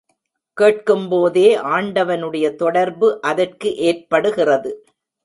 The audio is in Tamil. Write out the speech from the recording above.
கேட்கும்போதே ஆண்டவனுடைய தொடர்பு அதற்கு ஏற்படுகிறது.